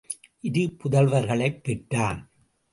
இரு புதல்வர்களைப் பெற்றான்.